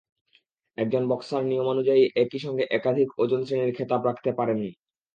একজন বক্সার নিয়মানুযায়ী একই সঙ্গে একাধিক ওজন শ্রেণির খেতাব রাখতে পারেন না।